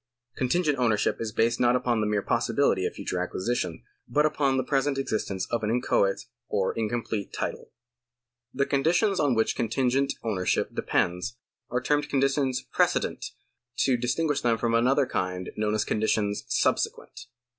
Con tingent ownership is based not upon the mere possibihty of future acquisition, but upon the present existence of an inchoate or incomplete title. 234 OWNERSHIP [§ 92 The conditions on which contingent ownership depends are termed conditions precedent to distinguish them from another kind known as conditions subsequent.